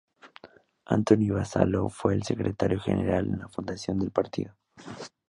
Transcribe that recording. Anthony Vassallo fue el Secretario General en la fundación del partido.